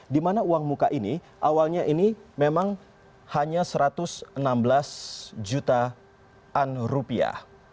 dimana uang muka ini awalnya ini memang hanya satu ratus enam belas jutaan rupiah